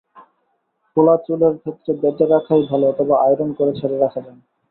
ফোলা চুলের ক্ষেত্রে বেঁধে রাখাই ভালো অথবা আয়রন করে ছেড়ে রাখা যায়।